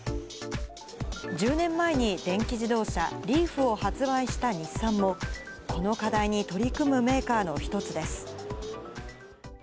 １０年前に電気自動車、リーフを発売した日産も、この課題に取り組むメーカーの一つです。